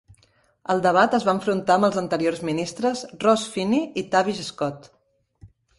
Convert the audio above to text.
Al debat, es va enfrontar amb els anteriors ministres Ross Finnie i Tavish Scott.